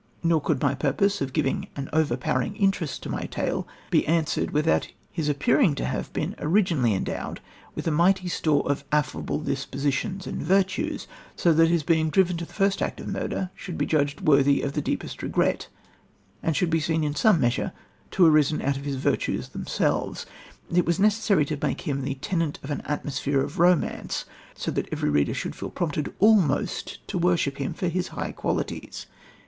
Nor could my purpose of giving an overpowering interest to my tale be answered without his appearing to have been originally endowed with a mighty store of amiable dispositions and virtues, so that his being driven to the first act of murder should be judged worthy of the deepest regret, and should be seen in some measure to have arisen out of his virtues themselves. It was necessary to make him ... the tenant of an atmosphere of romance, so that every reader should feel prompted almost to worship him for his high qualities.